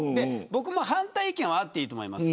僕も反対意見はあっていいと思います。